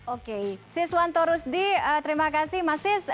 oke siswanto rusdi terima kasih mas sis